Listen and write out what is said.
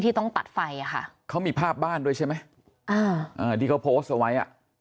ที่ต้องตัดไฟค่ะเขามีภาพบ้านด้วยใช่ไหมที่เขาโพสต์เอาไว้